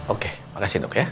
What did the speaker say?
oke makasih dok ya